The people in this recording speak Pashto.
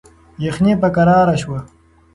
یخني په کراره شوه.